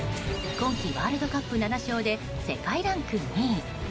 今季ワールドカップ７勝で世界ランク２位。